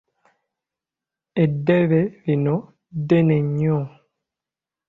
Eddebe lino ddene nnyo!